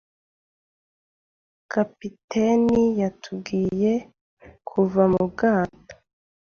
Kapiteni yatubwiye kuva mu bwato.